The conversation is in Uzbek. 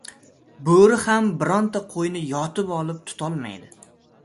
• Bo‘ri ham bironta qo‘yni yotib olib tutolmaydi.